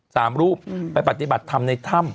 สามรูปไปปฏิบัติธรรมในถ้ำ